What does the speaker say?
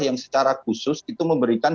yang secara khusus itu memberikan